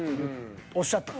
おっしゃった。